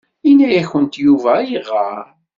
Yenna-yakent Yuba ayɣer?